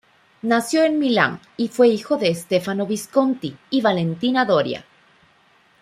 Nació en Milán, y fue hijo de Stefano Visconti y Valentina Doria.